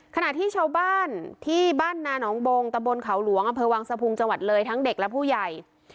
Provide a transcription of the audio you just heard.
ขณะที่ชาวบ้านที่บ้านนาหนองบงตะบนเขาหลวงอำเภอวังสะพุงจังหวัดเลยทั้งเด็กและผู้ใหญ่